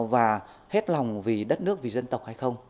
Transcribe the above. và hết lòng vì đất nước vì dân tộc hay không